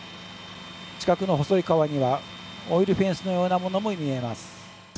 近くの細い川にはオイルフェンスのようなものも見えます。